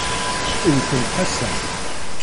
Wwtemt Ḥasan.